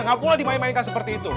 gak pula dimainkan seperti itu